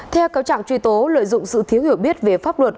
theo cáo trạng truy tố lợi dụng sự thiếu hiểu biết về pháp luật